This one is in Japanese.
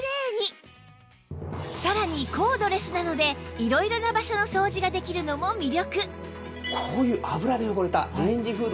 さらにコードレスなので色々な場所の掃除ができるのも魅力